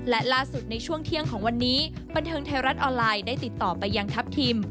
และล่าสุดในช่วงเที่ยงของวันนี้บันเทิงไทยรัฐออนไลน์ได้ติดต่อไปยังทัพทิม